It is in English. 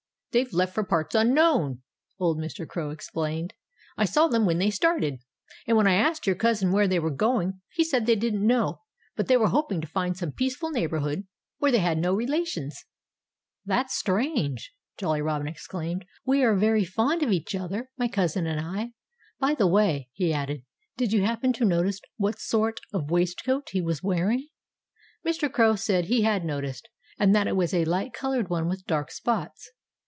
"They've left for parts unknown," old Mr. Crow explained. "I saw them when they started. And when I asked your cousin where they were going, he said that they didn't know, but they were hoping to find some peaceful neighborhood where they had no relations." "That's strange!" Jolly Robin exclaimed. "We are very fond of each other my cousin and I. By the way," he added, "did you happen to notice what sort of waistcoat he was wearing?" Mr. Crow said he had noticed; and that it was a light colored one with dark spots.